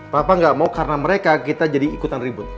papa nggak mau karena mereka kita jadi ikutan ribut